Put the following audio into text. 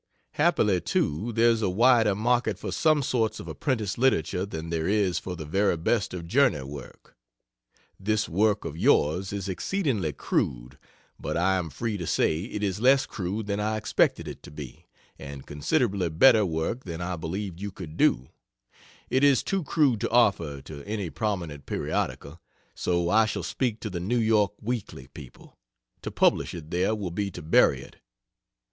Happily, too, there's a wider market for some sorts of apprentice literature than there is for the very best of journey work. This work of yours is exceedingly crude, but I am free to say it is less crude than I expected it to be, and considerably better work than I believed you could do, it is too crude to offer to any prominent periodical, so I shall speak to the N. Y. Weekly people. To publish it there will be to bury it.